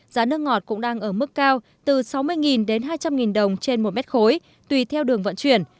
giá nước ngọt cũng đang ở mức cao từ sáu mươi đến hai trăm linh đồng trên một mét khối tùy theo đường vận chuyển